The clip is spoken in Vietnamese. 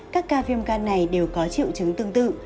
các ca viêm gan này đều có triệu chứng tương tự